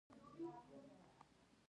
د دوی ډوډۍ حلاله ده.